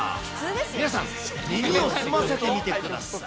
皆さん、耳を澄ませてみてください。